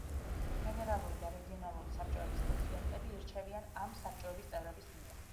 გენერალური და რეგიონალური საბჭოების პრეზიდენტები ირჩევიან ამ საბჭოების წევრების მიერ.